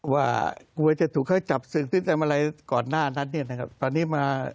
ว่ากลัวจะถูกเขาจับศึกหรือทำอะไรก่อนหน้านั้นเนี่ยนะครับตอนนี้มา